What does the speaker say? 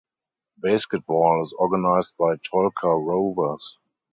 Basketball is organised by Tolka Rovers.